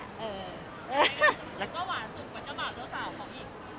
แล้วก็หวานสุดกว่าเจ้าบ่าวเจ้าสาวเขาอีก